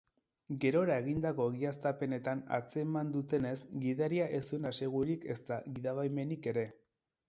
Gerora egindako egiaztapenetan atzeman dutenez, gidaria ez zuen asegururik ezta gidabaimenik ere.